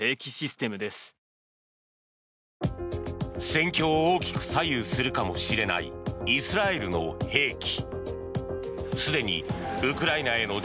戦況を大きく左右するかもしれないイスラエルの兵器。